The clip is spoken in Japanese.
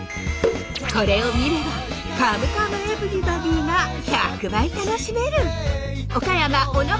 これを見れば「カムカムエヴリバディ」が１００倍楽しめる！